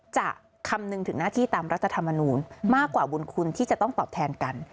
จะคำนึงถึงหน้าที่ตามรัฐธรรมนูลมากกว่าบุญคุณที่จะต้องตอบแทนกัน